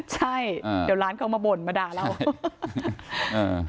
ใช่เดี๋ยวร้านเขามาบ่นมาด่าเรา